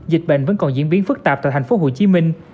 dịch bệnh vẫn còn diễn biến phức tạp tại thành phố hồ chí minh